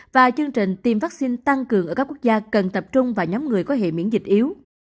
và chương trình tiêm vaccine tăng cường ở các quốc gia cần tập trung vào nhóm người có hệ miễn dịch yếu